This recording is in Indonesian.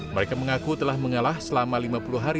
mereka mengaku telah mengalah selama lima puluh hari